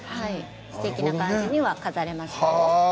すてきな感じに飾れます。